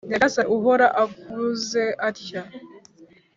Nyagasani Uhoraho avuze atya :